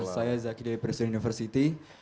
saya zaki dari presiden university